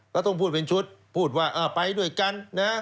ก็ต้องพูดเป็นชุดพูดว่าไปด้วยกันนะ